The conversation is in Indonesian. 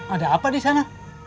ada apa di sana